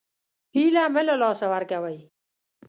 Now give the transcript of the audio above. هیله مه له لاسه ورکوئ